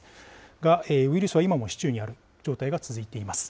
が、ウイルスは今も市中にある状態が続いています。